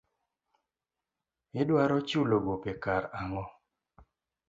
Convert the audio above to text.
Idwaro chulo gope kar ang'o.